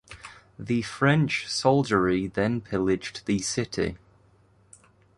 The French soldiery then pillaged the city.